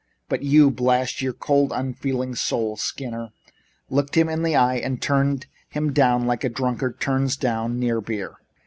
But you blast your cold, unfeeling soul, Skinner! looked him in the eye and turned him down like a drunkard turns down near beer.